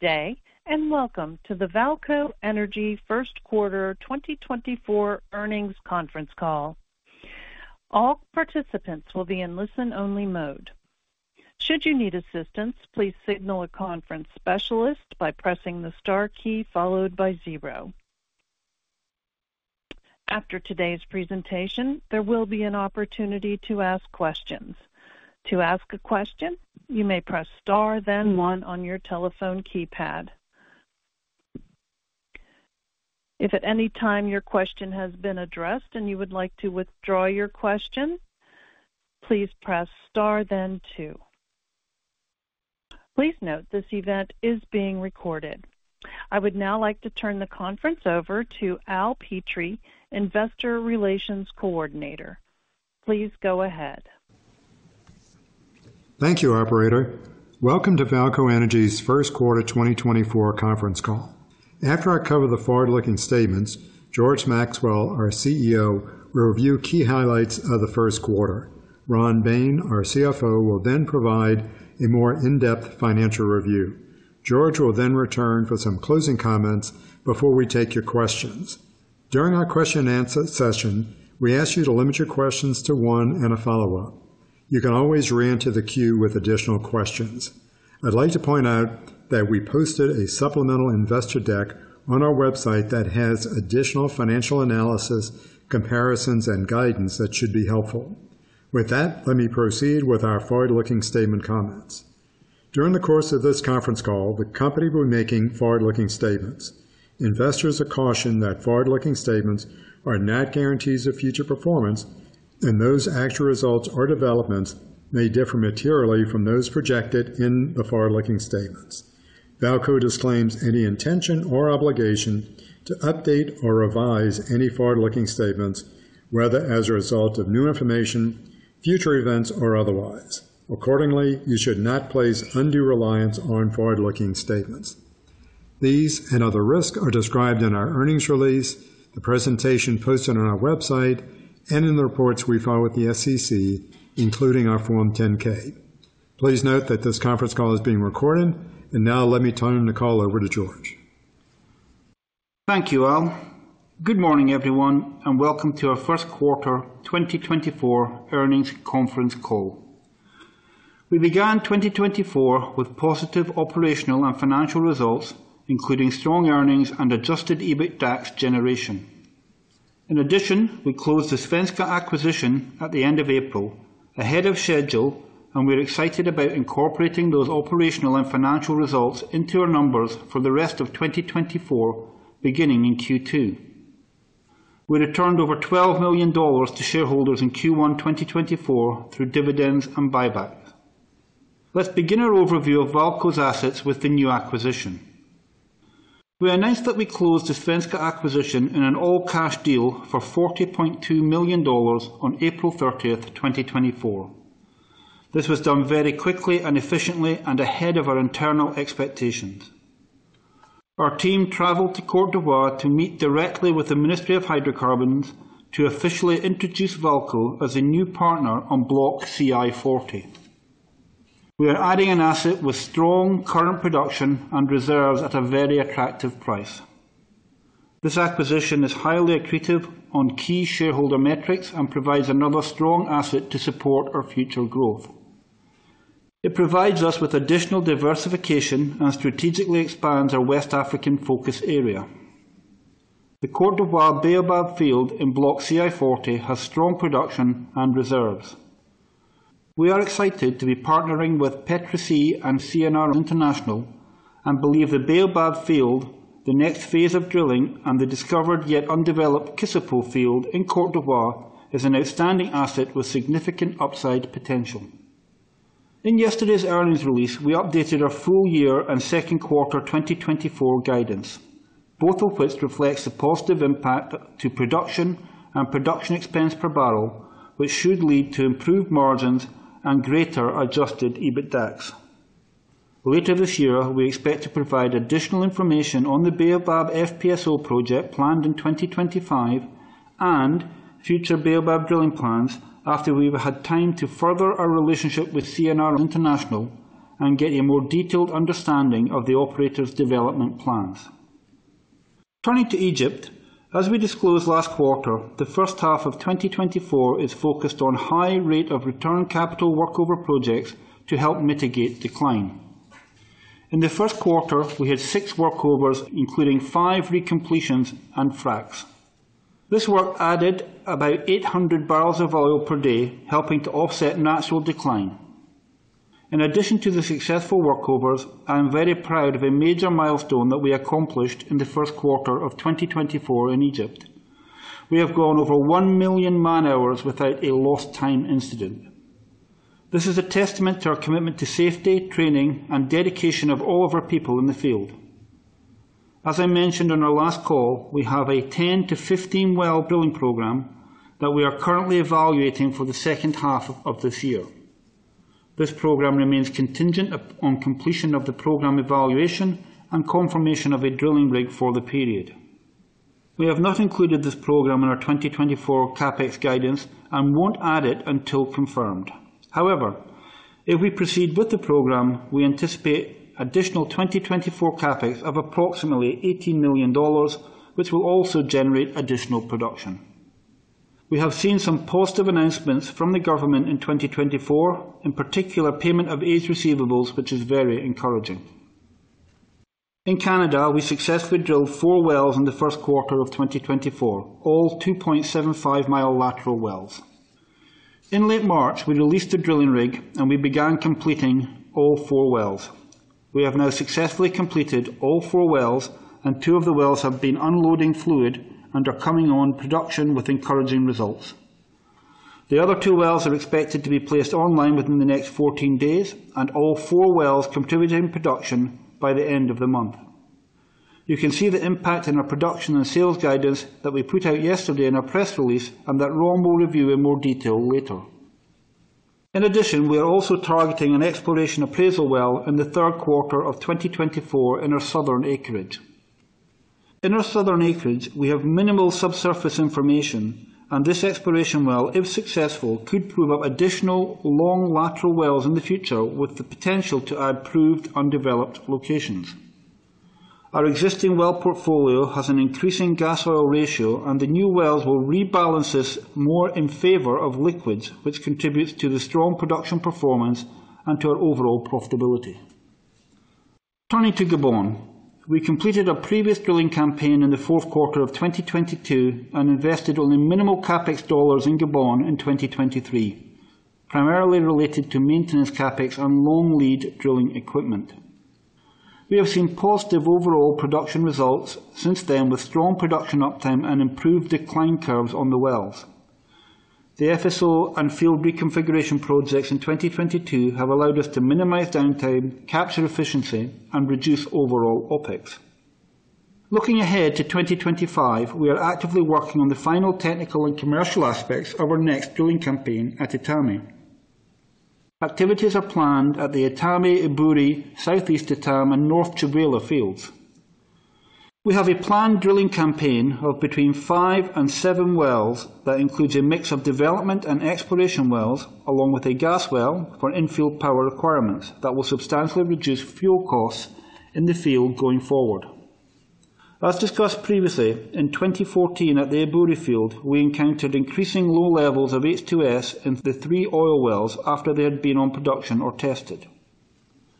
Good day and welcome to the VAALCO Energy First Quarter 2024 Earnings Conference Call. All participants will be in listen-only mode. Should you need assistance, please signal a conference specialist by pressing the star key followed by zero. After today's presentation, there will be an opportunity to ask questions. To ask a question, you may press star then 1 on your telephone keypad. If at any time your question has been addressed and you would like to withdraw your question, please press star then two. Please note this event is being recorded. I would now like to turn the conference over to Al Petrie, Investor Relations Coordinator. Please go ahead. Thank you, Operator. Welcome to VAALCO Energy's First Quarter 2024 Conference Call. After I cover the forward-looking statements, George Maxwell, our CEO, will review key highlights of the first quarter. Ron Bain, our CFO, will then provide a more in-depth financial review. George will then return for some closing comments before we take your questions. During our question-and-answer session, we ask you to limit your questions to one and a follow-up. You can always re-enter the queue with additional questions. I'd like to point out that we posted a supplemental investor deck on our website that has additional financial analysis, comparisons, and guidance that should be helpful. With that, let me proceed with our forward-looking statement comments. During the course of this conference call, the company will be making forward-looking statements. Investors are cautioned that forward-looking statements are not guarantees of future performance, and those actual results or developments may differ materially from those projected in the forward-looking statements. VAALCO disclaims any intention or obligation to update or revise any forward-looking statements, whether as a result of new information, future events, or otherwise. Accordingly, you should not place undue reliance on forward-looking statements. These and other risks are described in our earnings release, the presentation posted on our website, and in the reports we file with the SEC, including our Form 10-K. Please note that this conference call is being recorded, and now let me turn the call over to George. Thank you, Al. Good morning, everyone, and welcome to our first quarter 2024 earnings conference call. We began 2024 with positive operational and financial results, including strong earnings and adjusted EBITDAX generation. In addition, we closed the Svenska acquisition at the end of April ahead of schedule, and we're excited about incorporating those operational and financial results into our numbers for the rest of 2024, beginning in Q2. We returned over $12 million to shareholders in Q1 2024 through dividends and buybacks. Let's begin our overview of VAALCO's assets with the new acquisition. We announced that we closed the Svenska acquisition in an all-cash deal for $40.2 million on April 30th, 2024. This was done very quickly and efficiently and ahead of our internal expectations. Our team traveled to Côte d'Ivoire to meet directly with the Ministry of Hydrocarbons to officially introduce VAALCO as a new partner on Block CI-40. We are adding an asset with strong current production and reserves at a very attractive price. This acquisition is highly accretive on key shareholder metrics and provides another strong asset to support our future growth. It provides us with additional diversification and strategically expands our West African focus area. The Côte d'Ivoire Baobab field in Block CI-40 has strong production and reserves. We are excited to be partnering with Petroci and CNR International and believe the Baobab field, the next phase of drilling, and the discovered yet undeveloped Kossipo field in Côte d'Ivoire is an outstanding asset with significant upside potential. In yesterday's earnings release, we updated our full year and second quarter 2024 guidance, both of which reflect the positive impact to production and production expense per barrel, which should lead to improved margins and greater adjusted EBITDAX. Later this year, we expect to provide additional information on the Baobab FPSO project planned in 2025 and future Baobab drilling plans after we've had time to further our relationship with CNR International and get a more detailed understanding of the operator's development plans. Turning to Egypt, as we disclosed last quarter, the first half of 2024 is focused on high rate of return capital workover projects to help mitigate decline. In the first quarter, we had six workovers, including five recompletions and fracs. This work added about 800 bbl of oil per day, helping to offset natural decline. In addition to the successful workovers, I am very proud of a major milestone that we accomplished in the first quarter of 2024 in Egypt. We have gone over 1 million man-hours without a lost time incident. This is a testament to our commitment to safety, training, and dedication of all of our people in the field. As I mentioned on our last call, we have a 10-15 well drilling program that we are currently evaluating for the second half of this year. This program remains contingent upon completion of the program evaluation and confirmation of a drilling rig for the period. We have not included this program in our 2024 CapEx guidance and won't add it until confirmed. However, if we proceed with the program, we anticipate additional 2024 CapEx of approximately $18 million, which will also generate additional production. We have seen some positive announcements from the government in 2024, in particular payment of aged receivables, which is very encouraging. In Canada, we successfully drilled four wells in the first quarter of 2024, all 2.75-mi lateral wells. In late March, we released the drilling rig and we began completing all four wells. We have now successfully completed all four wells, and two of the wells have been unloading fluid and are coming on production with encouraging results. The other two wells are expected to be placed online within the next 14 days, and all four wells contributing production by the end of the month. You can see the impact in our production and sales guidance that we put out yesterday in our press release and that Ron will review in more detail later. In addition, we are also targeting an exploration appraisal well in the third quarter of 2024 in our southern acreage. In our southern acreage, we have minimal subsurface information, and this exploration well, if successful, could prove up additional long lateral wells in the future with the potential to add proved undeveloped locations. Our existing well portfolio has an increasing gas-oil ratio, and the new wells will rebalance this more in favor of liquids, which contributes to the strong production performance and to our overall profitability. Turning to Gabon. We completed a previous drilling campaign in the fourth quarter of 2022 and invested only minimal CapEx dollars in Gabon in 2023, primarily related to maintenance CapEx and long lead drilling equipment. We have seen positive overall production results since then, with strong production uptime and improved decline curves on the wells. The FSO and field reconfiguration projects in 2022 have allowed us to minimize downtime, capture efficiency, and reduce overall OpEx. Looking ahead to 2025, we are actively working on the final technical and commercial aspects of our next drilling campaign at Etame. Activities are planned at the Etame, Ebouri, Southeast Etame, and North Tchibala fields. We have a planned drilling campaign of between five and seven wells that includes a mix of development and exploration wells, along with a gas well for infield power requirements that will substantially reduce fuel costs in the field going forward. As discussed previously, in 2014 at the Ebouri field, we encountered increasing low levels of H2S in the three oil wells after they had been on production or tested.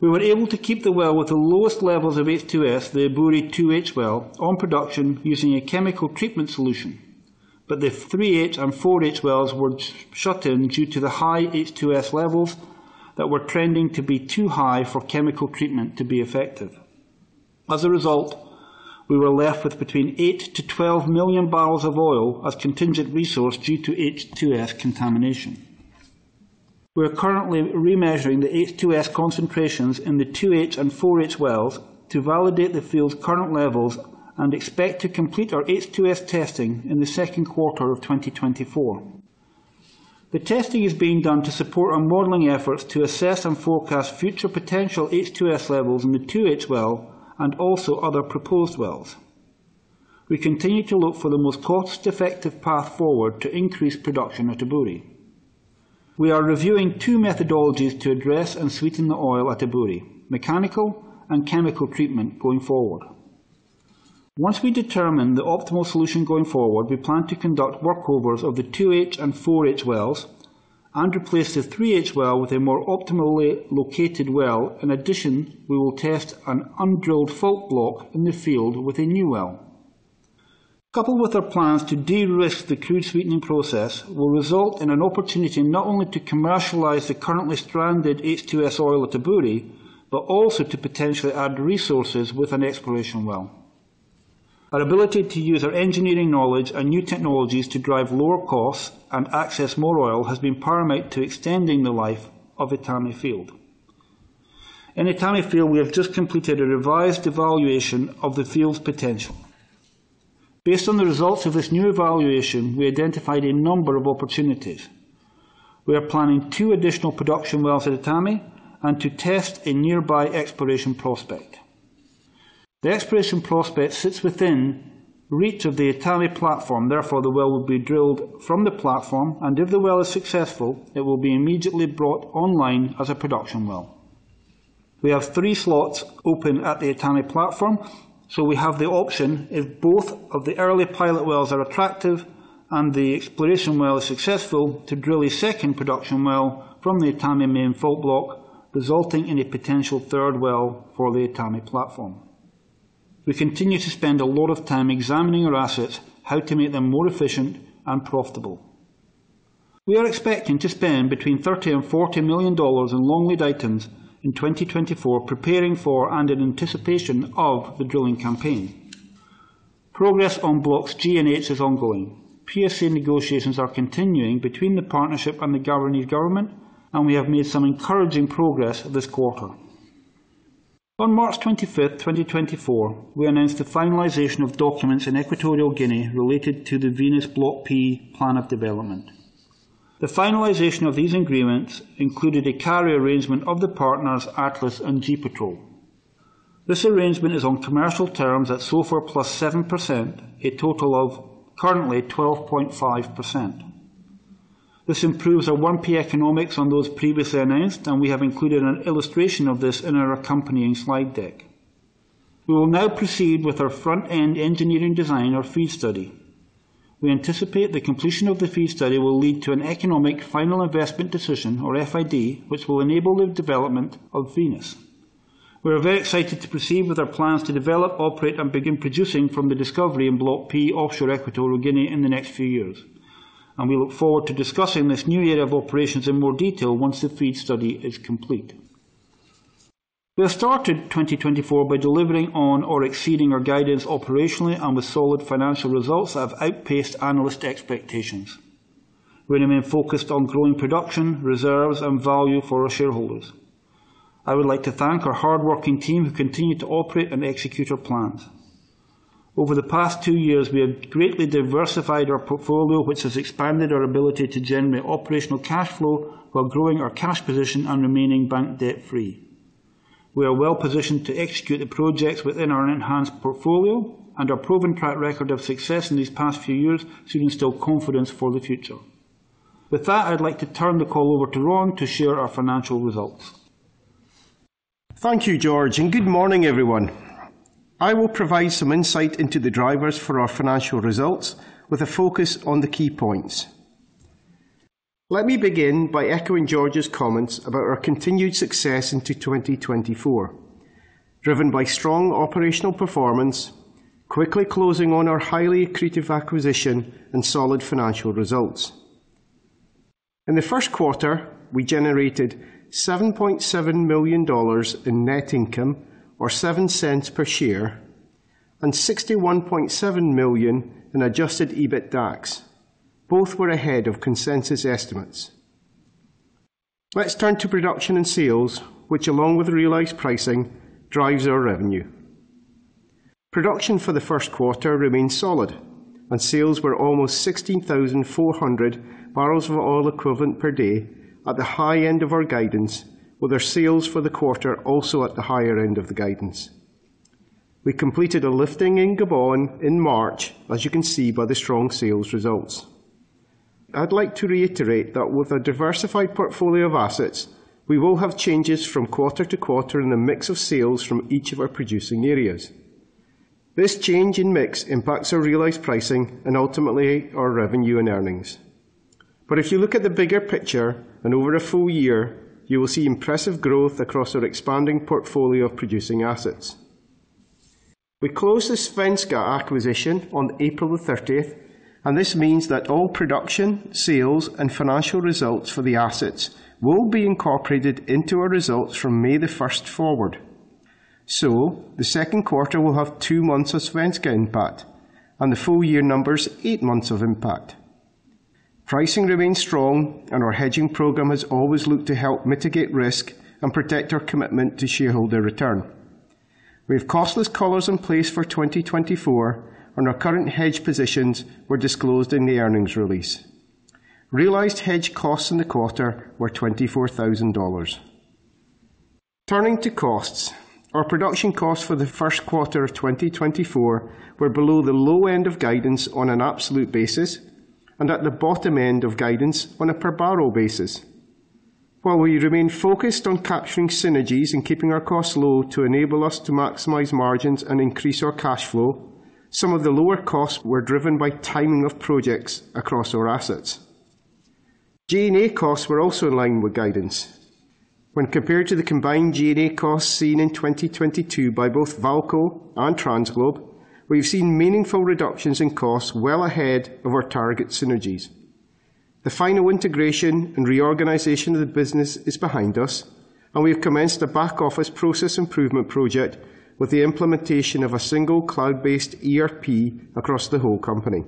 We were able to keep the well with the lowest levels of H2S, the Ebouri 2H well, on production using a chemical treatment solution, but the 3H and 4H wells were shut in due to the high H2S levels that were trending to be too high for chemical treatment to be effective. As a result, we were left with between 8 and 12 million bbl of oil as contingent resource due to H2S contamination. We are currently remeasuring the H2S concentrations in the 2H and 4H wells to validate the field's current levels and expect to complete our H2S testing in the second quarter of 2024. The testing is being done to support our modeling efforts to assess and forecast future potential H2S levels in the 2H well and also other proposed wells. We continue to look for the most cost-effective path forward to increase production at Ebouri. We are reviewing two methodologies to address and sweeten the oil at Ebouri: mechanical and chemical treatment going forward. Once we determine the optimal solution going forward, we plan to conduct workovers of the 2H and 4H wells and replace the 3H well with a more optimally located well. In addition, we will test an undrilled fault block in the field with a new well. Coupled with our plans to de-risk the crude sweetening process, will result in an opportunity not only to commercialize the currently stranded H2S oil at Ebouri but also to potentially add resources with an exploration well. Our ability to use our engineering knowledge and new technologies to drive lower costs and access more oil has been paramount to extending the life of Etame field. In Etame field, we have just completed a revised evaluation of the field's potential. Based on the results of this new evaluation, we identified a number of opportunities. We are planning two additional production wells at Etame and to test a nearby exploration prospect. The exploration prospect sits within reach of the Etame platform; therefore, the well will be drilled from the platform, and if the well is successful, it will be immediately brought online as a production well. We have three slots open at the Etame platform, so we have the option, if both of the early pilot wells are attractive and the exploration well is successful, to drill a second production well from the Etame main fault block, resulting in a potential third well for the Etame platform. We continue to spend a lot of time examining our assets, how to make them more efficient and profitable. We are expecting to spend between $30 million and $40 million in long lead items in 2024, preparing for and in anticipation of the drilling campaign. Progress on Blocks G and H is ongoing. PSA negotiations are continuing between the partnership and the Guinean government, and we have made some encouraging progress this quarter. On March 25th, 2024, we announced the finalization of documents in Equatorial Guinea related to the Venus Block P plan of development. The finalization of these agreements included a carry arrangement of the partners Atlas and GEPetrol. This arrangement is on commercial terms at SOFR plus 7%, a total of currently 12.5%. This improves our 1P economics on those previously announced, and we have included an illustration of this in our accompanying slide deck. We will now proceed with our front-end engineering design, our FEED study. We anticipate the completion of the FEED study will lead to an Economic Final Investment Decision, or FID, which will enable the development of Venus. We are very excited to proceed with our plans to develop, operate, and begin producing from the discovery in Block P offshore Equatorial Guinea in the next few years, and we look forward to discussing this new area of operations in more detail once the FEED study is complete. We have started 2024 by delivering on or exceeding our guidance operationally and with solid financial results that have outpaced analyst expectations. We remain focused on growing production, reserves, and value for our shareholders. I would like to thank our hardworking team who continue to operate and execute our plans. Over the past two years, we have greatly diversified our portfolio, which has expanded our ability to generate operational cash flow while growing our cash position and remaining bank debt-free. We are well positioned to execute the projects within our enhanced portfolio and our proven track record of success in these past few years should instill confidence for the future. With that, I'd like to turn the call over to Ron to share our financial results. Thank you, George, and good morning, everyone. I will provide some insight into the drivers for our financial results with a focus on the key points. Let me begin by echoing George's comments about our continued success into 2024, driven by strong operational performance, quickly closing on our highly accretive acquisition, and solid financial results. In the first quarter, we generated $7.7 million in net income, or $0.07 per share, and $61.7 million in adjusted EBITDAX. Both were ahead of consensus estimates. Let's turn to production and sales, which, along with realized pricing, drives our revenue. Production for the first quarter remained solid, and sales were almost 16,400 bbl of oil equivalent per day at the high end of our guidance, with our sales for the quarter also at the higher end of the guidance. We completed a lifting in Gabon in March, as you can see by the strong sales results. I'd like to reiterate that with a diversified portfolio of assets, we will have changes from quarter to quarter in the mix of sales from each of our producing areas. This change in mix impacts our realized pricing and ultimately our revenue and earnings. But if you look at the bigger picture and over a full year, you will see impressive growth across our expanding portfolio of producing assets. We closed the Svenska acquisition on April the 30th, and this means that all production, sales, and financial results for the assets will be incorporated into our results from May the 1st forward. So the second quarter will have two months of Svenska impact, and the full year numbers, eight months of impact. Pricing remains strong, and our hedging program has always looked to help mitigate risk and protect our commitment to shareholder return. We have costless collars in place for 2024, and our current hedge positions were disclosed in the earnings release. Realized hedge costs in the quarter were $24,000. Turning to costs, our production costs for the first quarter of 2024 were below the low end of guidance on an absolute basis and at the bottom end of guidance on a per barrel basis. While we remain focused on capturing synergies and keeping our costs low to enable us to maximize margins and increase our cash flow, some of the lower costs were driven by timing of projects across our assets. G&A costs were also in line with guidance. When compared to the combined G&A costs seen in 2022 by both VAALCO and TransGlobe, we've seen meaningful reductions in costs well ahead of our target synergies. The final integration and reorganization of the business is behind us, and we have commenced a back-office process improvement project with the implementation of a single cloud-based ERP across the whole company.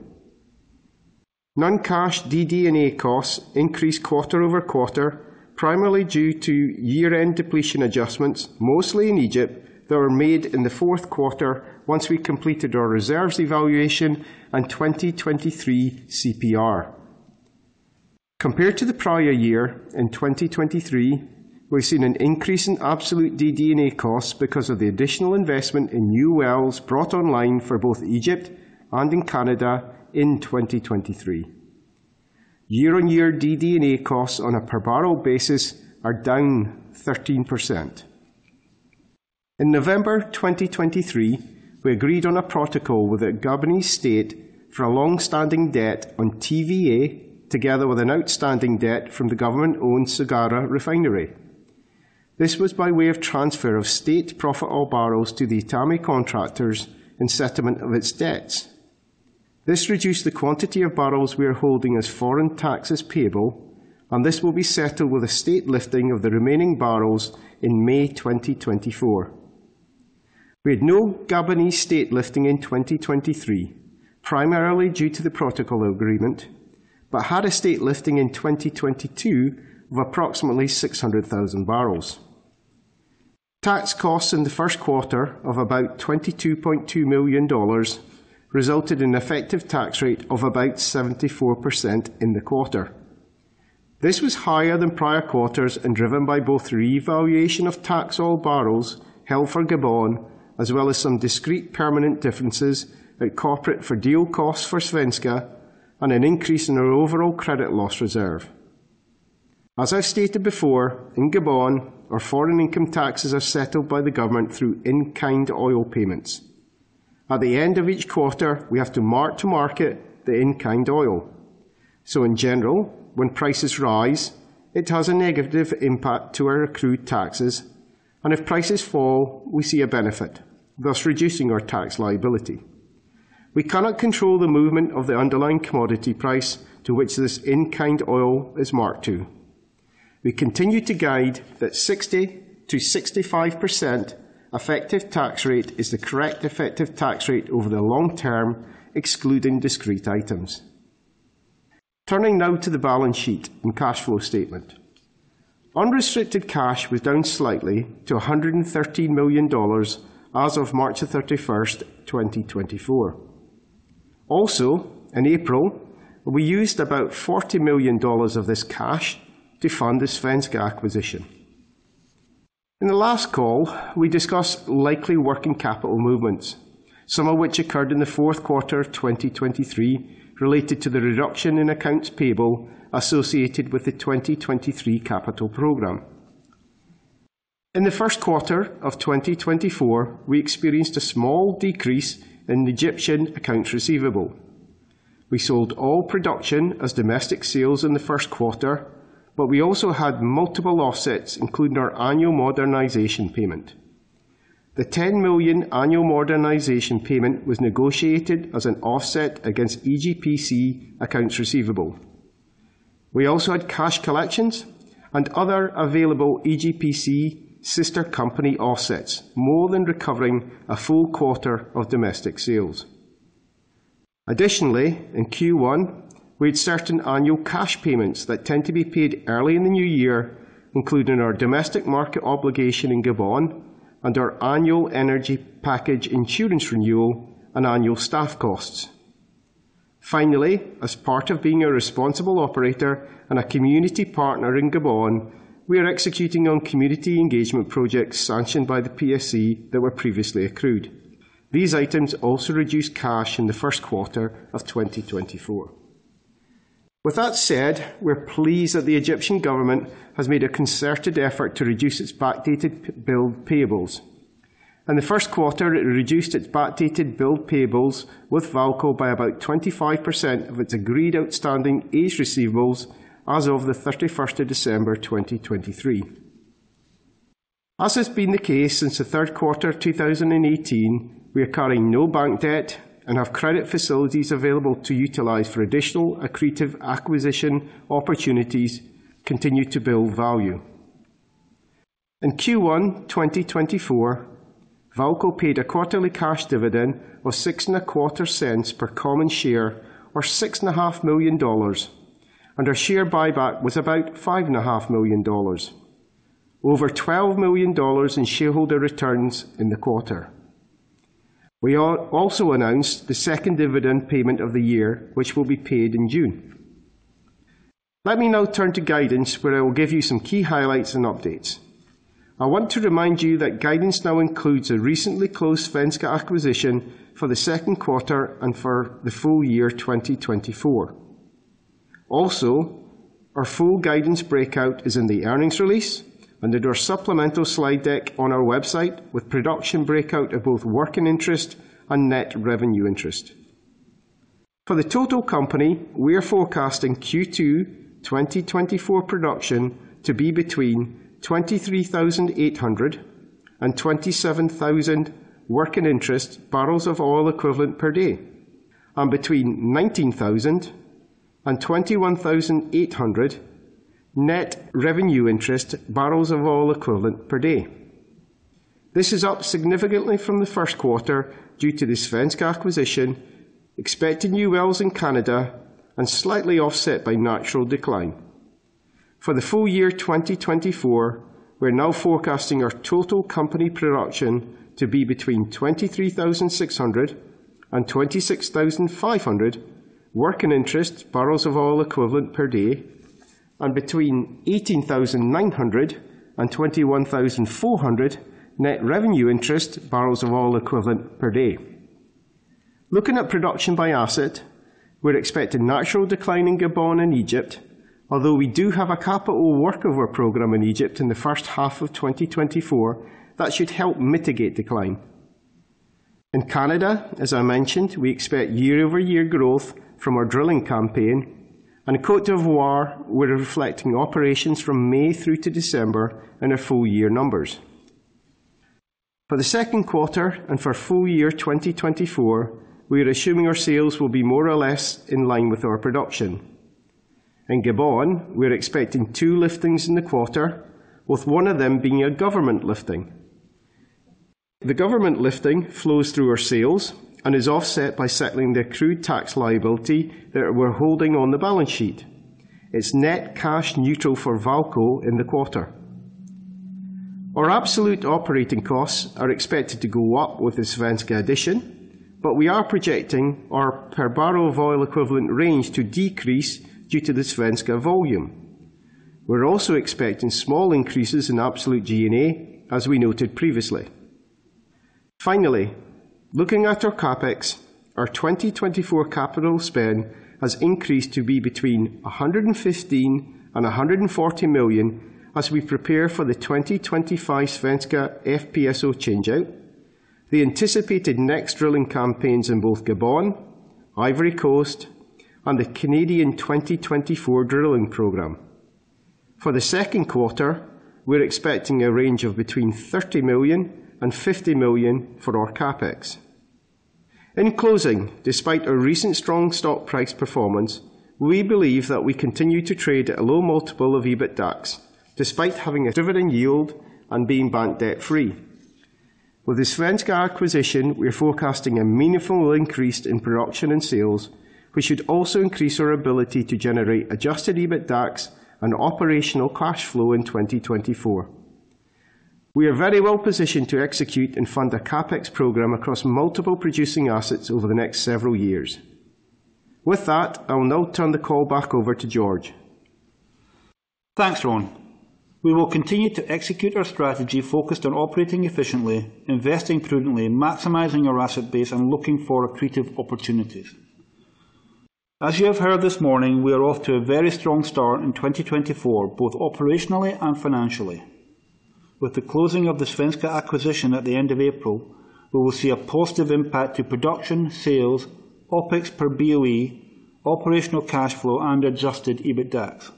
Non-cash DD&A costs increased quarter-over-quarter, primarily due to year-end depletion adjustments, mostly in Egypt, that were made in the fourth quarter once we completed our reserves evaluation and 2023 CPR. Compared to the prior year in 2023, we've seen an increase in absolute DD&A costs because of the additional investment in new wells brought online for both Egypt and in Canada in 2023. Year-on-year DD&A costs on a per barrel basis are down 13%. In November 2023, we agreed on a protocol with the Gabonese state for a longstanding debt on TVA, together with an outstanding debt from the government-owned SOGARA refinery. This was by way of transfer of state profitable barrels to the Etame contractors in settlement of its debts. This reduced the quantity of barrels we are holding as foreign taxes payable, and this will be settled with a state lifting of the remaining barrels in May 2024. We had no Gabonese state lifting in 2023, primarily due to the protocol agreement, but had a state lifting in 2022 of approximately 600,000 bbl. Tax costs in the first quarter of about $22.2 million resulted in an effective tax rate of about 74% in the quarter. This was higher than prior quarters and driven by both revaluation of taxable barrels held for Gabon, as well as some discrete permanent differences at corporate for deal costs for Svenska and an increase in our overall credit loss reserve. As I've stated before, in Gabon, our foreign income taxes are settled by the government through in-kind oil payments. At the end of each quarter, we have to mark to market the in-kind oil. So in general, when prices rise, it has a negative impact to our accrued taxes, and if prices fall, we see a benefit, thus reducing our tax liability. We cannot control the movement of the underlying commodity price to which this in-kind oil is marked to. We continue to guide that 60%-65% effective tax rate is the correct effective tax rate over the long term, excluding discrete items. Turning now to the balance sheet and cash flow statement. Unrestricted cash was down slightly to $113 million as of March 31st, 2024. Also, in April, we used about $40 million of this cash to fund the Svenska acquisition. In the last call, we discussed likely working capital movements, some of which occurred in the fourth quarter of 2023 related to the reduction in accounts payable associated with the 2023 capital program. In the first quarter of 2024, we experienced a small decrease in Egyptian accounts receivable. We sold all production as domestic sales in the first quarter, but we also had multiple offsets, including our annual modernization payment. The $10 million annual modernization payment was negotiated as an offset against EGPC accounts receivable. We also had cash collections and other available EGPC sister company offsets, more than recovering a full quarter of domestic sales. Additionally, in Q1, we had certain annual cash payments that tend to be paid early in the new year, including our domestic market obligation in Gabon and our annual energy package insurance renewal and annual staff costs. Finally, as part of being a responsible operator and a community partner in Gabon, we are executing on community engagement projects sanctioned by the PSA that were previously accrued. These items also reduced cash in the first quarter of 2024. With that said, we're pleased that the Egyptian government has made a concerted effort to reduce its backdated bill payables. In the first quarter, it reduced its backdated bill payables with VAALCO by about 25% of its agreed outstanding aged receivables as of the 31st of December 2023. As has been the case since the third quarter of 2018, we are carrying no bank debt and have credit facilities available to utilize for additional accretive acquisition opportunities to continue to build value. In Q1 2024, VAALCO paid a quarterly cash dividend of $0.0625 cents per common share, or $6.5 million, and our share buyback was about $5.5 million, over $12 million in shareholder returns in the quarter. We also announced the second dividend payment of the year, which will be paid in June. Let me now turn to guidance, where I will give you some key highlights and updates. I want to remind you that guidance now includes a recently closed Svenska acquisition for the second quarter and for the full year 2024. Also, our full guidance breakout is in the earnings release and at our supplemental slide deck on our website with production breakout of both working interest and net revenue interest. For the total company, we are forecasting Q2 2024 production to be between 23,800 and 27,000 working interest barrels of oil equivalent per day, and between 19,000 and 21,800 net revenue interest barrels of oil equivalent per day. This is up significantly from the first quarter due to the Svenska acquisition, expected new wells in Canada, and slightly offset by natural decline. For the full year 2024, we're now forecasting our total company production to be between 23,600 and 26,500 working interest barrels of oil equivalent per day, and between 18,900 and 21,400 net revenue interest barrels of oil equivalent per day. Looking at production by asset, we're expecting natural decline in Gabon and Egypt, although we do have a capital workover program in Egypt in the first half of 2024 that should help mitigate decline. In Canada, as I mentioned, we expect year-over-year growth from our drilling campaign, and Côte d'Ivoire, we're reflecting operations from May through to December in our full year numbers. For the second quarter and for full year 2024, we are assuming our sales will be more or less in line with our production. In Gabon, we're expecting two liftings in the quarter, with one of them being a government lifting. The government lifting flows through our sales and is offset by settling the accrued tax liability that we're holding on the balance sheet. It's net cash neutral for VAALCO in the quarter. Our absolute operating costs are expected to go up with the Svenska addition, but we are projecting our per barrel of oil equivalent range to decrease due to the Svenska volume. We're also expecting small increases in absolute G&A, as we noted previously. Finally, looking at our CapEx, our 2024 capital spend has increased to be between $115 million and $140 million as we prepare for the 2025 Svenska FPSO changeout, the anticipated next drilling campaigns in both Gabon, Ivory Coast, and the Canadian 2024 drilling program. For the second quarter, we're expecting a range of between $30 million and $50 million for our CapEx. In closing, despite our recent strong stock price performance, we believe that we continue to trade at a low multiple of EBITDAX, despite having a dividend yield and being bank debt free. With the Svenska acquisition, we're forecasting a meaningful increase in production and sales, which should also increase our ability to generate adjusted EBITDAX and operational cash flow in 2024. We are very well positioned to execute and fund a CapEx program across multiple producing assets over the next several years. With that, I'll now turn the call back over to George. Thanks, Ron. We will continue to execute our strategy focused on operating efficiently, investing prudently, maximizing our asset base, and looking for accretive opportunities. As you have heard this morning, we are off to a very strong start in 2024, both operationally and financially. With the closing of the Svenska acquisition at the end of April, we will see a positive impact to production, sales, OpEx per BOE, operational cash flow, and adjusted EBITDAX.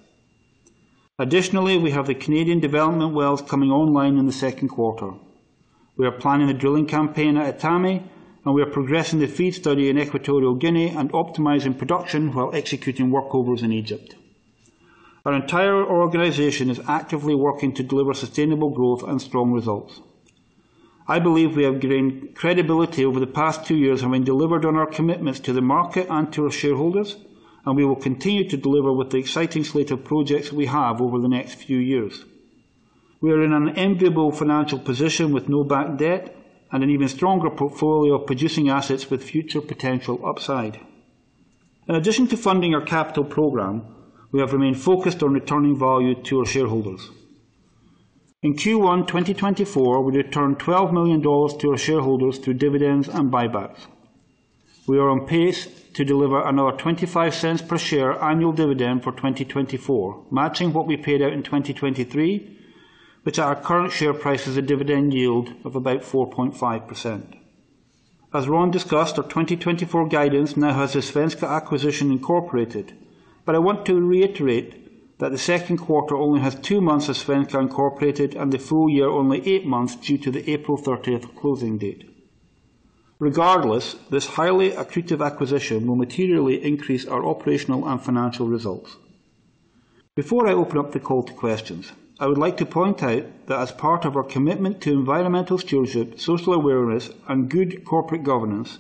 Additionally, we have the Canadian development wells coming online in the second quarter. We are planning a drilling campaign at Etame, and we are progressing the FEED study in Equatorial Guinea and optimizing production while executing workovers in Egypt. Our entire organization is actively working to deliver sustainable growth and strong results. I believe we have gained credibility over the past two years having delivered on our commitments to the market and to our shareholders, and we will continue to deliver with the exciting slate of projects we have over the next few years. We are in an enviable financial position with no bank debt and an even stronger portfolio of producing assets with future potential upside. In addition to funding our capital program, we have remained focused on returning value to our shareholders. In Q1 2024, we returned $12 million to our shareholders through dividends and buybacks. We are on pace to deliver another $0.25 per share annual dividend for 2024, matching what we paid out in 2023, which at our current share price is a dividend yield of about 4.5%. As Ron discussed, our 2024 guidance now has the Svenska acquisition incorporated, but I want to reiterate that the second quarter only has two months of Svenska incorporated and the full year only eight months due to the April 30th closing date. Regardless, this highly accretive acquisition will materially increase our operational and financial results. Before I open up the call to questions, I would like to point out that as part of our commitment to environmental stewardship, social awareness, and good corporate governance,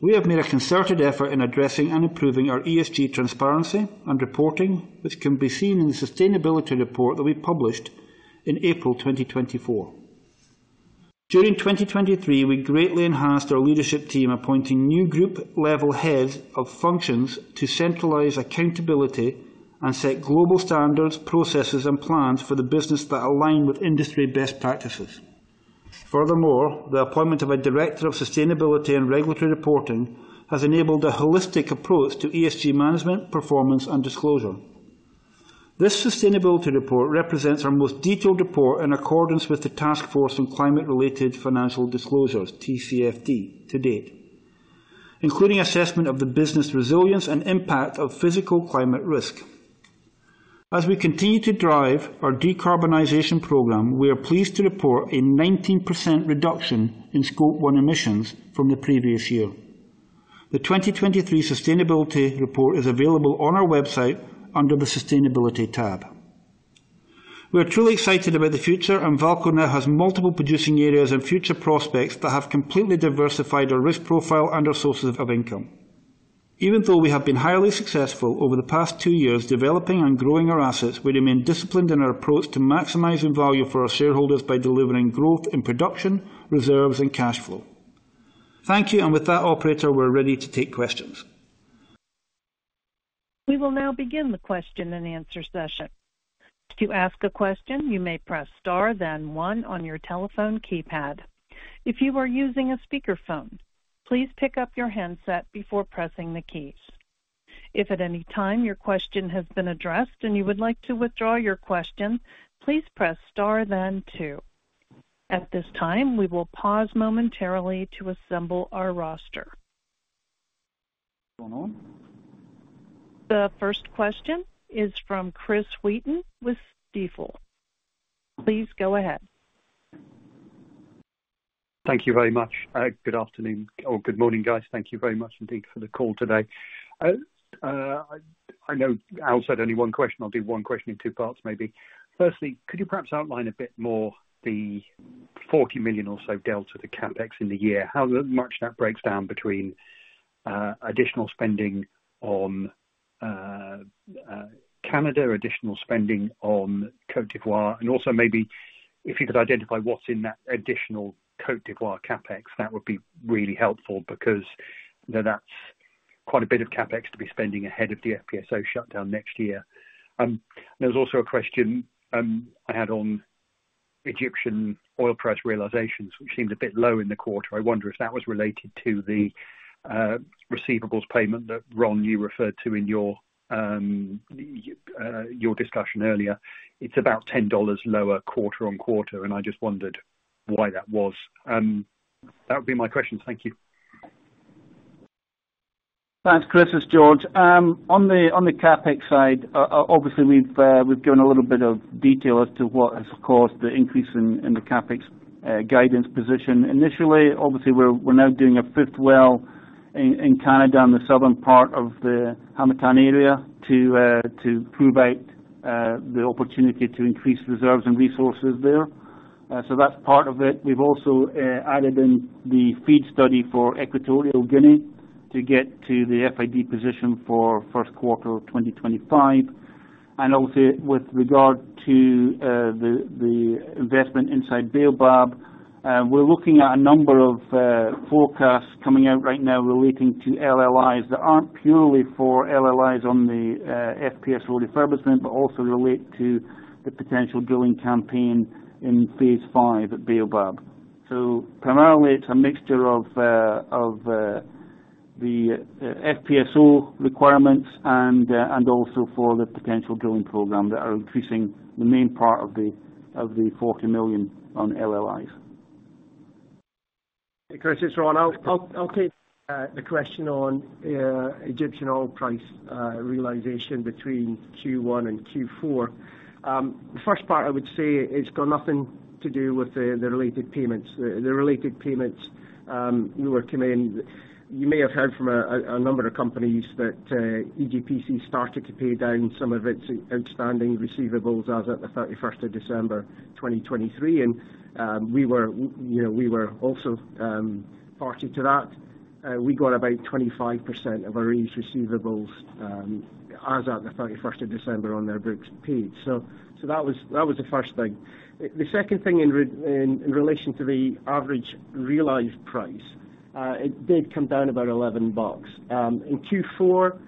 we have made a concerted effort in addressing and improving our ESG transparency and reporting, which can be seen in the sustainability report that we published in April 2024. During 2023, we greatly enhanced our leadership team, appointing new group-level heads of functions to centralize accountability and set global standards, processes, and plans for the business that align with industry best practices. Furthermore, the appointment of a director of sustainability and regulatory reporting has enabled a holistic approach to ESG management, performance, and disclosure. This sustainability report represents our most detailed report in accordance with the Task Force on Climate-Related Financial Disclosures (TCFD) to date, including assessment of the business resilience and impact of physical climate risk. As we continue to drive our decarbonization program, we are pleased to report a 19% reduction in Scope 1 emissions from the previous year. The 2023 sustainability report is available on our website under the Sustainability tab. We are truly excited about the future, and VAALCO now has multiple producing areas and future prospects that have completely diversified our risk profile and our sources of income. Even though we have been highly successful over the past two years developing and growing our assets, we remain disciplined in our approach to maximizing value for our shareholders by delivering growth in production, reserves, and cash flow. Thank you, and with that, operator, we're ready to take questions. We will now begin the question and answer session. To ask a question, you may press star, then one on your telephone keypad. If you are using a speakerphone, please pick up your handset before pressing the keys. If at any time your question has been addressed and you would like to withdraw your question, please press star, then two. At this time, we will pause momentarily to assemble our roster. The first question is from Chris Wheaton with Stifel. Please go ahead. Thank you very much. Good afternoon or good morning, guys. Thank you very much, indeed, for the call today. I know I'll set only one question. I'll do one question in two parts, maybe. Firstly, could you perhaps outline a bit more the $40 million or so delta to CapEx in the year? How much that breaks down between additional spending on Canada, additional spending on Côte d'Ivoire, and also maybe if you could identify what's in that additional Côte d'Ivoire CapEx, that would be really helpful because that's quite a bit of CapEx to be spending ahead of the FPSO shutdown next year. There was also a question I had on Egyptian oil price realizations, which seemed a bit low in the quarter. I wonder if that was related to the receivables payment that Ron, you referred to in your discussion earlier. It's about $10 lower quarter-over-quarter, and I just wondered why that was. That would be my questions. Thank you. Thanks, Chris, George. On the CapEx side, obviously, we've given a little bit of detail as to what has, of course, the increase in the CapEx guidance position initially. Obviously, we're now doing a fifth well in Canada, in the southern part of the Harmattan area, to prove out the opportunity to increase reserves and resources there. So that's part of it. We've also added in the FEED study for Equatorial Guinea to get to the FID position for first quarter of 2025. Also, with regard to the investment inside Baobab, we're looking at a number of forecasts coming out right now relating to LLIs that aren't purely for LLIs on the FPSO refurbishment, but also relate to the potential drilling campaign in phase 5 at Baobab. So primarily, it's a mixture of the FPSO requirements and also for the potential drilling program that are increasing the main part of the $40 million on LLIs. Chris, it's Ron. I'll take the question on Egyptian oil price realization between Q1 and Q4. The first part, I would say, it's got nothing to do with the related payments. The related payments we were coming in you may have heard from a number of companies that EGPC started to pay down some of its outstanding receivables as of the 31st of December 2023, and we were also party to that. We got about 25% of our EGPC receivables as of the 31st of December on their books paid. That was the first thing. The second thing in relation to the average realized price, it did come down about $11. In Q4,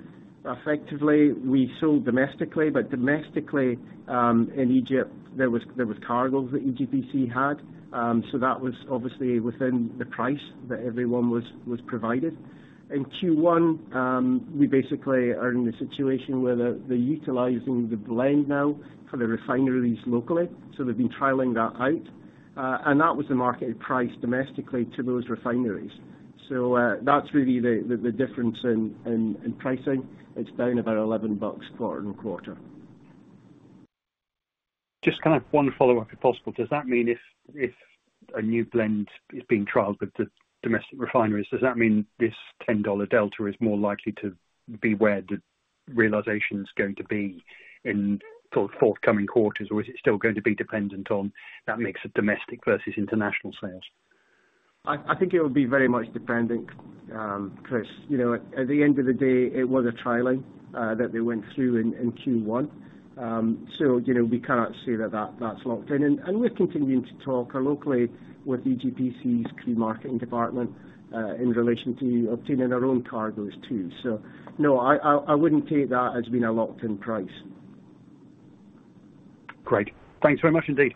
effectively, we sold domestically, but domestically in Egypt, there was cargo that EGPC had, so that was obviously within the price that everyone was provided. In Q1, we basically are in a situation where they're utilizing the blend now for the refineries locally, so they've been trialing that out, and that was the marketed price domestically to those refineries. That's really the difference in pricing. It's down about $11 quarter-over-quarter. Just kind of one follow-up, if possible. Does that mean if a new blend is being trialed with the domestic refineries, does that mean this $10 delta is more likely to be where the realization's going to be in sort of forthcoming quarters, or is it still going to be dependent on that mix of domestic versus international sales? I think it will be very much dependent, Chris. At the end of the day, it was a trialing that they went through in Q1, so we cannot say that that's locked in. And we're continuing to talk locally with EGPC's key marketing department in relation to obtaining our own cargoes too. So no, I wouldn't take that as being a locked-in price. Great. Thanks very much, indeed.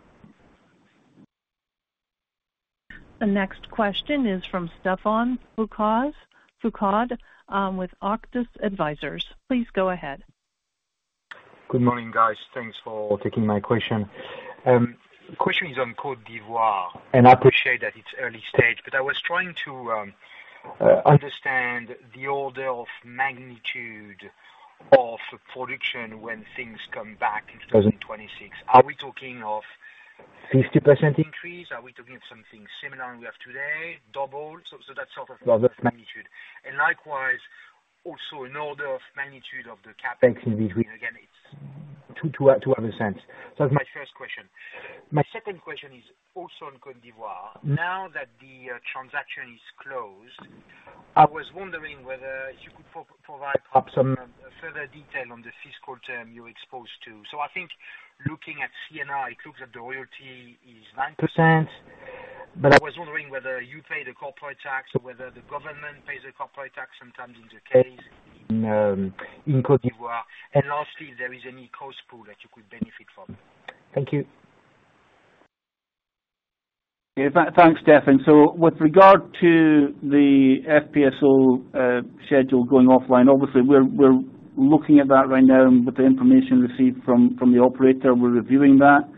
The next question is from Stephane Foucaud with Auctus Advisors. Please go ahead. Good morning, guys. Thanks for taking my question. The question is on Côte d'Ivoire, and I appreciate that it's early stage, but I was trying to understand the order of magnitude of production when things come back in 2026. Are we talking of 50% increase? Are we talking of something similar we have today, double? So that sort of magnitude. And likewise, also an order of magnitude of the CapEx in between. Again, it's two other cents. So that's my first question. My second question is also on Côte d'Ivoire. Now that the transaction is closed, I was wondering whether you could provide perhaps some further detail on the fiscal term you're exposed to. So I think looking at CNI, it looks like the royalty is 9%, but I was wondering whether you pay the corporate tax or whether the government pays the corporate tax sometimes in the case in Côte d'Ivoire. Lastly, if there is any cost pool that you could benefit from? Thank you. Thanks, Stephane. With regard to the FPSO schedule going offline, obviously, we're looking at that right now. With the information received from the operator, we're reviewing that.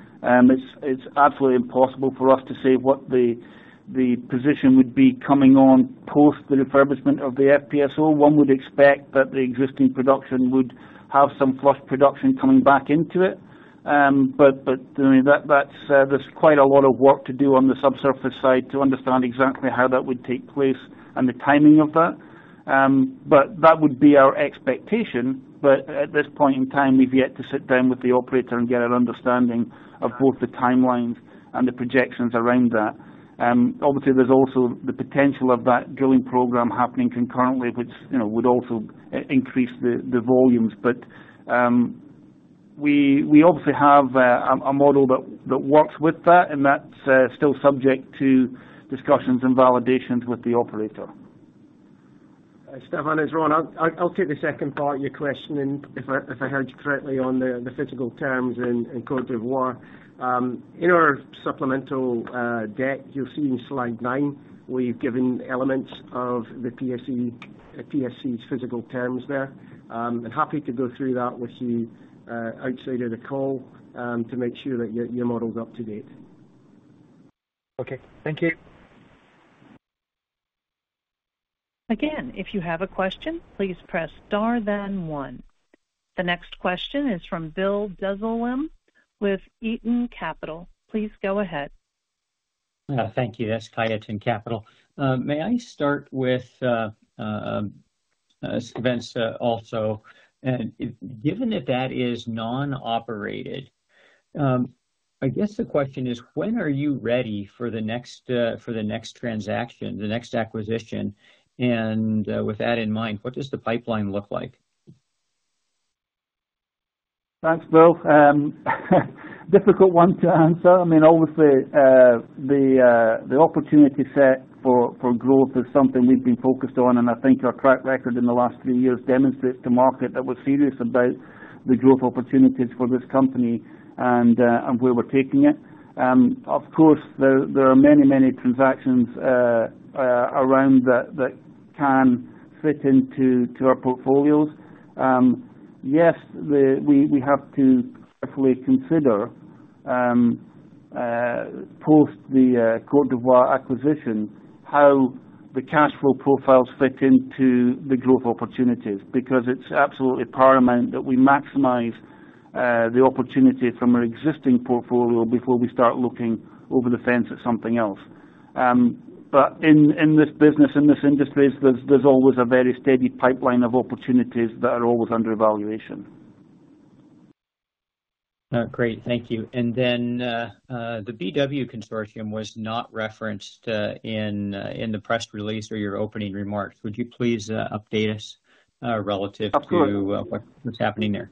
It's absolutely impossible for us to say what the position would be coming on post the refurbishment of the FPSO. One would expect that the existing production would have some flush production coming back into it, but there's quite a lot of work to do on the subsurface side to understand exactly how that would take place and the timing of that. But that would be our expectation. But at this point in time, we've yet to sit down with the operator and get an understanding of both the timelines and the projections around that. Obviously, there's also the potential of that drilling program happening concurrently, which would also increase the volumes. We obviously have a model that works with that, and that's still subject to discussions and validations with the operator. Stephane, it's Ron. I'll take the second part of your question, and if I heard you correctly on the physical terms in Côte d'Ivoire. In our supplemental deck, you'll see in slide nine we've given elements of the PSC's physical terms there. I'm happy to go through that with you outside of the call to make sure that your model's up to date. Okay. Thank you. Again, if you have a question, please press star, then one. The next question is from Bill Dezellem with Tieton Capital. Please go ahead. Thank you. That's Tieton Capital. May I start with, Svenska also, given that that is non-operated, I guess the question is, when are you ready for the next transaction, the next acquisition? And with that in mind, what does the pipeline look like? Thanks, Bill. Difficult one to answer. I mean, obviously, the opportunity set for growth is something we've been focused on, and I think our track record in the last three years demonstrates to market that we're serious about the growth opportunities for this company and where we're taking it. Of course, there are many, many transactions around that can fit into our portfolios. Yes, we have to carefully consider post the Côte d'Ivoire acquisition how the cash flow profiles fit into the growth opportunities because it's absolutely paramount that we maximize the opportunity from our existing portfolio before we start looking over the fence at something else. But in this business, in this industry, there's always a very steady pipeline of opportunities that are always under evaluation. Great. Thank you. And then the BW consortium was not referenced in the press release or your opening remarks. Would you please update us relative to what's happening there?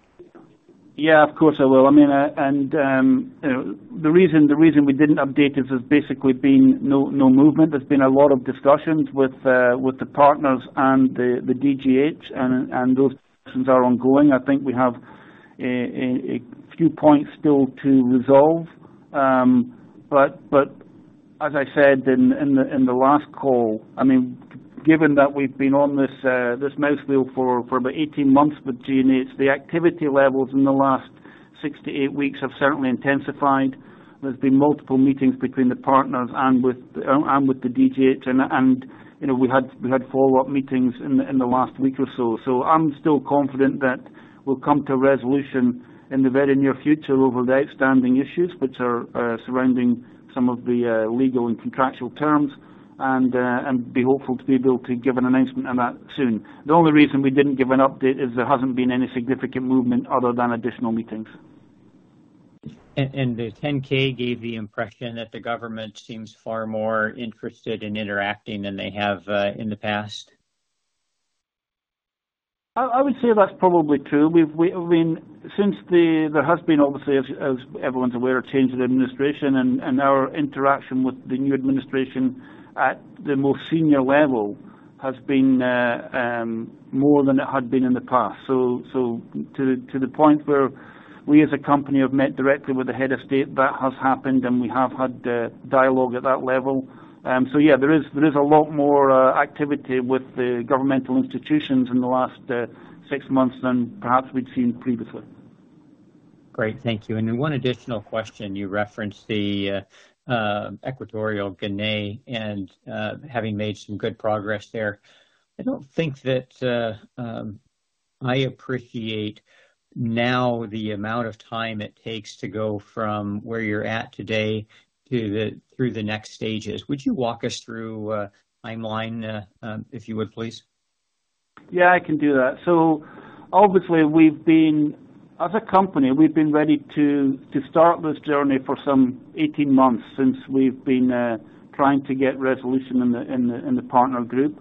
Yeah, of course I will. I mean, and the reason we didn't update it has basically been no movement. There's been a lot of discussions with the partners and the DGH, and those discussions are ongoing. I think we have a few points still to resolve. But as I said in the last call, I mean, given that we've been on this merry-go-round for about 18 months with DGH, the activity levels in the last six to eight weeks have certainly intensified. There's been multiple meetings between the partners and with the DGH, and we had follow-up meetings in the last week or so. So I'm still confident that we'll come to a resolution in the very near future over the outstanding issues which are surrounding some of the legal and contractual terms and be hopeful to be able to give an announcement on that soon. The only reason we didn't give an update is there hasn't been any significant movement other than additional meetings. And the 10-K gave the impression that the government seems far more interested in interacting than they have in the past? I would say that's probably true. I mean, since there has been, obviously, as everyone's aware, a change in administration, and our interaction with the new administration at the most senior level has been more than it had been in the past. So to the point where we, as a company, have met directly with the head of state, that has happened, and we have had dialogue at that level. So yeah, there is a lot more activity with the governmental institutions in the last six months than perhaps we'd seen previously. Great. Thank you. And one additional question, you referenced the Equatorial Guinea and having made some good progress there. I don't think that I appreciate now the amount of time it takes to go from where you're at today through the next stages. Would you walk us through timeline, if you would, please? Yeah, I can do that. So obviously, as a company, we've been ready to start this journey for some 18 months since we've been trying to get resolution in the partner group,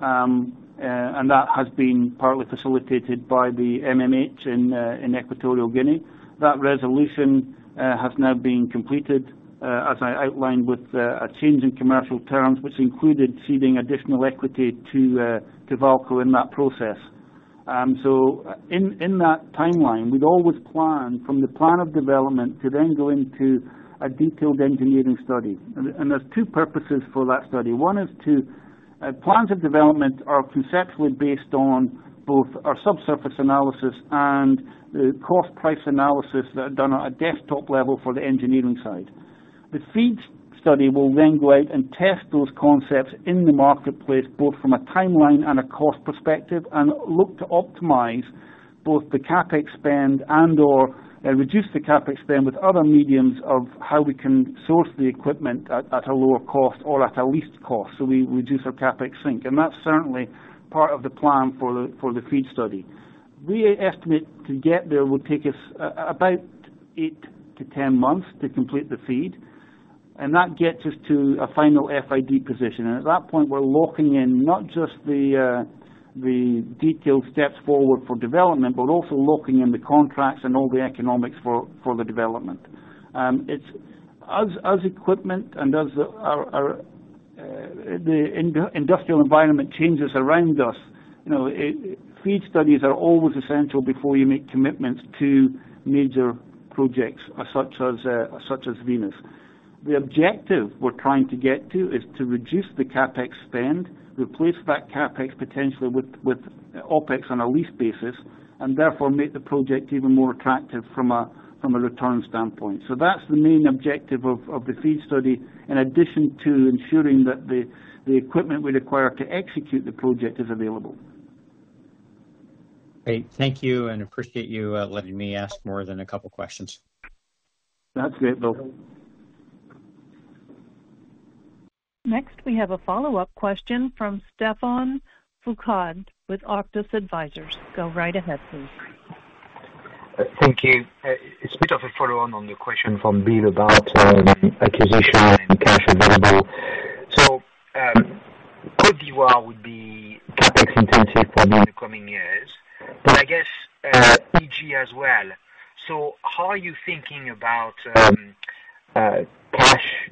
and that has been partly facilitated by the MMH in Equatorial Guinea. That resolution has now been completed, as I outlined, with a change in commercial terms which included ceding additional equity to VAALCO in that process. So in that timeline, we'd always planned from the plan of development to then go into a detailed engineering study. There's two purposes for that study. One is to plans of development are conceptually based on both our subsurface analysis and the cost-price analysis that are done at a desktop level for the engineering side. The FEED study will then go out and test those concepts in the marketplace both from a timeline and a cost perspective and look to optimize both the CapEx spend and/or reduce the CapEx spend with other means of how we can source the equipment at a lower cost or at a least cost so we reduce our CapEx spend. That's certainly part of the plan for the FEED study. We estimate to get there would take us about eight to 10 months to complete the FEED, and that gets us to a final FID position. At that point, we're locking in not just the detailed steps forward for development but also locking in the contracts and all the economics for the development. As equipment and as the industrial environment changes around us, FEED studies are always essential before you make commitments to major projects such as Venus. The objective we're trying to get to is to reduce the CapEx spend, replace that CapEx potentially with OpEx on a lease basis, and therefore make the project even more attractive from a return standpoint. That's the main objective of the FEED study in addition to ensuring that the equipment we require to execute the project is available. Great. Thank you, and appreciate you letting me ask more than a couple of questions. That's great, Bill. Next, we have a follow-up question from Stephane Foucaud with Auctus Advisors. Go right ahead, please. Thank you. It's a bit of a follow-on on the question from Bill about acquisition and cash available. So Côte d'Ivoire would be CapEx-intensive probably in the coming years, but I guess EG as well. So how are you thinking about cash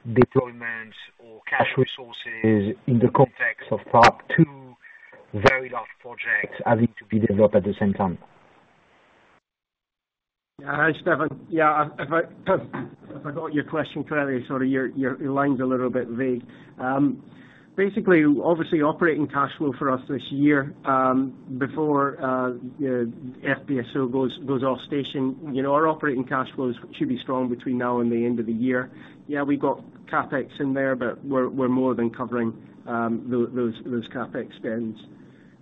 deployments or cash resources in the context of perhaps two very large projects having to be developed at the same time? Yeah, Stephan. Yeah, if I got your question clearly, sort of your line's a little bit vague. Basically, obviously, operating cash flow for us this year before the FPSO goes off-station, our operating cash flows should be strong between now and the end of the year. Yeah, we've got CapEx in there, but we're more than covering those CapEx spends.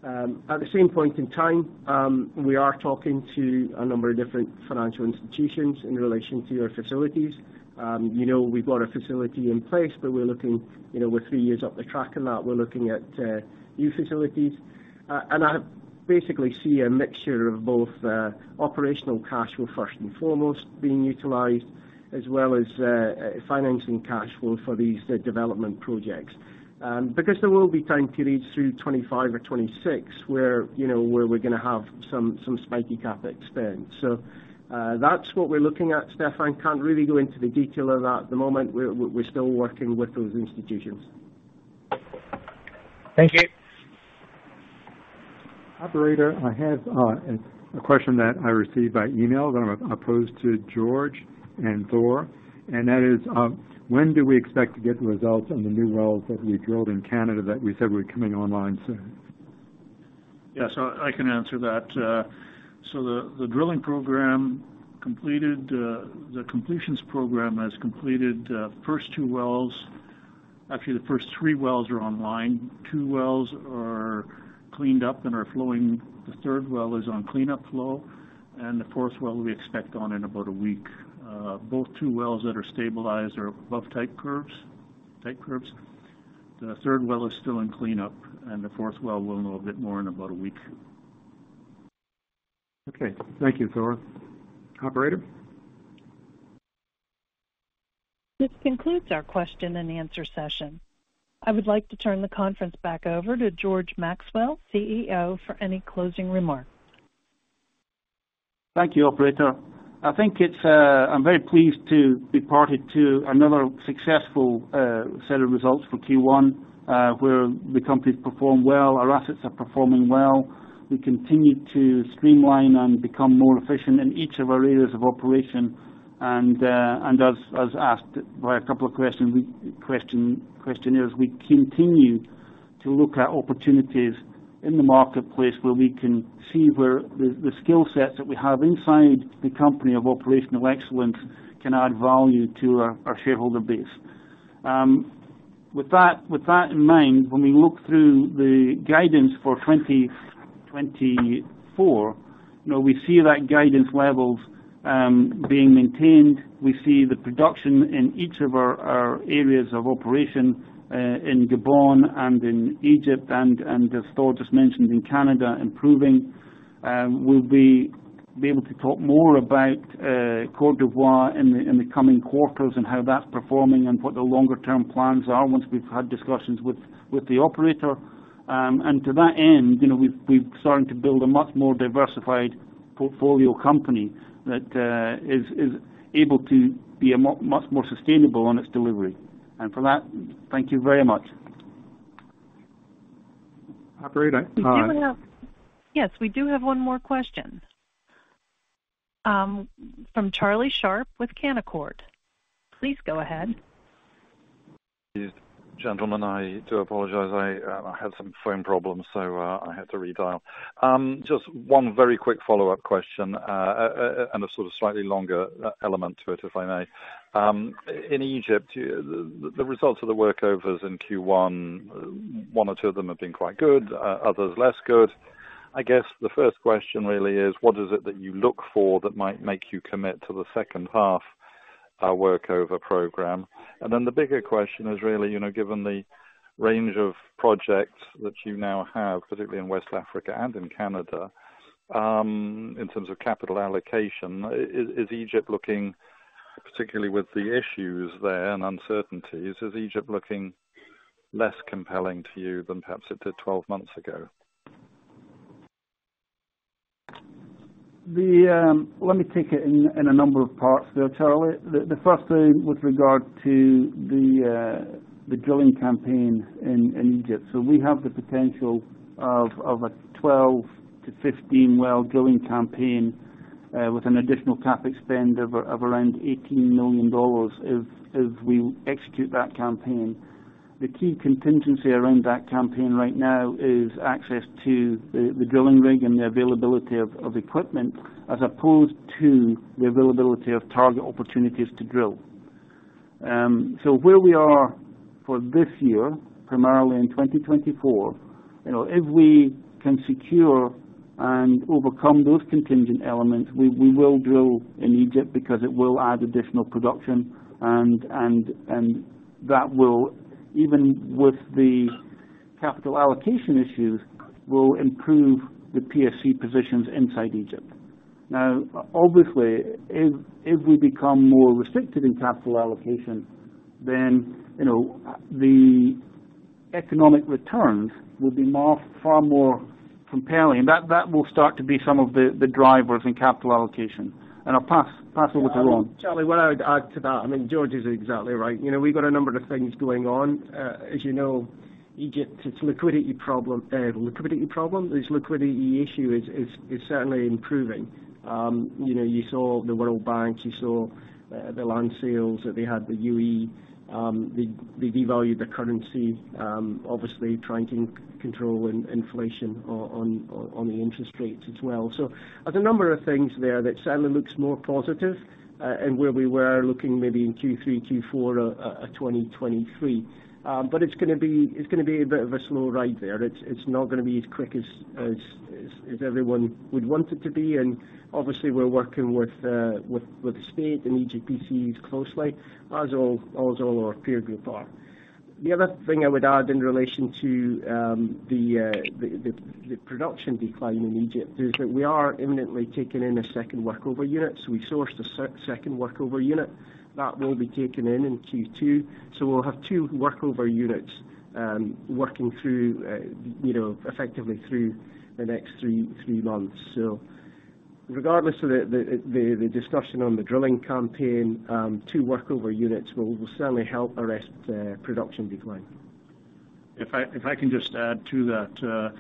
At the same point in time, we are talking to a number of different financial institutions in relation to our facilities. We've got a facility in place, but we're looking, we're three years up the track in that. We're looking at new facilities. And I basically see a mixture of both operational cash flow first and foremost being utilized as well as financing cash flow for these development projects because there will be time periods through 2025 or 2026 where we're going to have some spiky CapEx spend. So that's what we're looking at, Stephane. Can't really go into the detail of that at the moment. We're still working with those institutions. Thank you. Operator, I have a question that I received by email that I'm posed to George and Thor, and that is, when do we expect to get the results on the new wells that we drilled in Canada that we said were coming online soon? Yes, I can answer that. So the drilling program completed, the completions program has completed the first two wells. Actually, the first three wells are online. Two wells are cleaned up and are flowing. The third well is on cleanup flow, and the fourth well we expect on in about a week. Both two wells that are stabilized are above type curves. The third well is still in cleanup, and the fourth well will know a bit more in about a week. Okay. Thank you, Thor. Operator? This concludes our question-and-answer session. I would like to turn the conference back over to George Maxwell, CEO, for any closing remarks. Thank you, Operator. I think I'm very pleased to be party to another successful set of results for Q1 where the company's performed well, our assets are performing well. We continue to streamline and become more efficient in each of our areas of operation. As asked by a couple of questionnaires, we continue to look at opportunities in the marketplace where we can see where the skill sets that we have inside the company of operational excellence can add value to our shareholder base. With that in mind, when we look through the guidance for 2024, we see that guidance levels being maintained. We see the production in each of our areas of operation in Gabon and in Egypt, and as Thor just mentioned, in Canada improving. We'll be able to talk more about Côte d'Ivoire in the coming quarters and how that's performing and what the longer-term plans are once we've had discussions with the operator. To that end, we've started to build a much more diversified portfolio company that is able to be much more sustainable on its delivery. For that, thank you very much. Operator? Yes, we do have one more question from Charlie Sharp with Canaccord Genuity. Please go ahead. Gentlemen, I do apologize. I had some phone problems, so I had to redial. Just one very quick follow-up question and a sort of slightly longer element to it, if I may. In Egypt, the results of the workovers in Q1, one or two of them have been quite good, others less good. I guess the first question really is, what is it that you look for that might make you commit to the second half workover program? And then the bigger question is really, given the range of projects that you now have, particularly in West Africa and in Canada in terms of capital allocation, is Egypt looking, particularly with the issues there and uncertainties, is Egypt looking less compelling to you than perhaps it did 12 months ago? Let me take it in a number of parts, though, Charlie. The first thing with regard to the drilling campaign in Egypt. So we have the potential of a 12-15 well drilling campaign with an additional CapEx spend of around $18 million if we execute that campaign. The key contingency around that campaign right now is access to the drilling rig and the availability of equipment as opposed to the availability of target opportunities to drill. So where we are for this year, primarily in 2024, if we can secure and overcome those contingent elements, we will drill in Egypt because it will add additional production, and that will, even with the capital allocation issues, improve the PSC positions inside Egypt. Now, obviously, if we become more restricted in capital allocation, then the economic returns will be far more compelling, and that will start to be some of the drivers in capital allocation. And I'll pass over to Ronald. Charlie, what I would add to that, I mean, George is exactly right. We've got a number of things going on. As you know, Egypt's liquidity problem, this liquidity issue, is certainly improving. You saw the World Bank. You saw the land sales that they had, the UAE. They devalued the currency, obviously trying to control inflation on the interest rates as well. So there's a number of things there that certainly looks more positive and where we were looking maybe in Q3, Q4 of 2023. But it's going to be a bit of a slow ride there. It's not going to be as quick as everyone would want it to be. And obviously, we're working with the state and EGPC closely as all our peer group are. The other thing I would add in relation to the production decline in Egypt is that we are imminently taking in a second workover unit. So we sourced a second workover unit that will be taken in in Q2. So we'll have two workover units working through effectively the next three months. So regardless of the discussion on the drilling campaign, two workover units will certainly help arrest the production decline. If I can just add to that,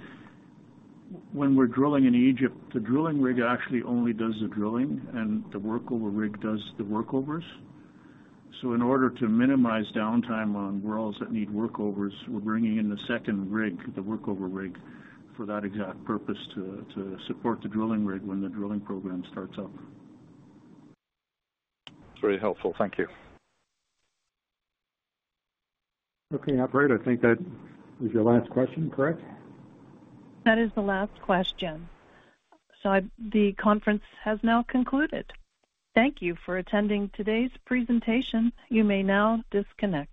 when we're drilling in Egypt, the drilling rig actually only does the drilling, and the workover rig does the workovers. So in order to minimize downtime on wells that need workovers, we're bringing in the second rig, the workover rig, for that exact purpose to support the drilling rig when the drilling program starts up. Very helpful. Thank you. Okay. Operator, I think that was your last question. Correct? That is the last question. So the conference has now concluded. Thank you for attending today's presentation. You may now disconnect.